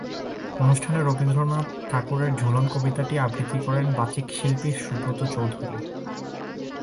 অনুষ্ঠানে রবীন্দ্রনাথ ঠাকুরের ঝুলন কবিতাটি আবৃত্তি করেন বাচিক শিল্পী সুব্রত চৌধুরি।